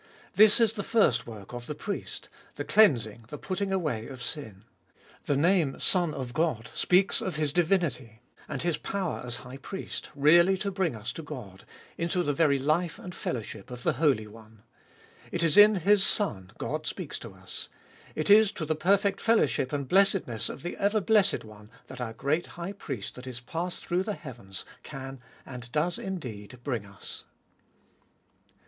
This is the first work of the priest — the cleansing, the putting away of sin. The name Son of God speaks of His divinity, and His power as High Priest, really to bring us to God, into the very life and fellowship of the Holy One. It is in His Son God speaks to us ; it is to the perfect fellowship and blessedness of the ever blessed One that our great High Priest that is passed through the heavens can, and does indeed, bring us.